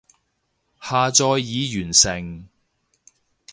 下載已完成